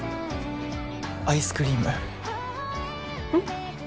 アイスクリームうん？